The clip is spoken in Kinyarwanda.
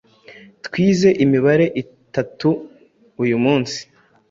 Twize imibare itatu uyu munsi